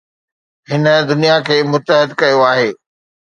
هن دنيا کي متحد ڪيو آهي